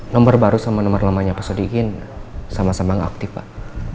nomor baru sama nomor lemahnya pesudiin sama sama gak aktif pak